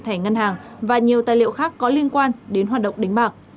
thẻ ngân hàng và nhiều tài liệu khác có liên quan đến hoạt động đánh bạc